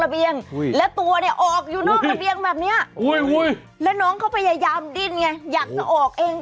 เฮ้ยเก่งเก่งมาก